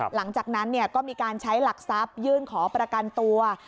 หลังจากนั้นก็มีการใช้หลักทรัพยื่นขอประกันตัว